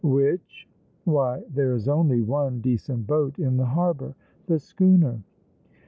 "Which? Why, there is only one decent boat in the harbour. The schooner."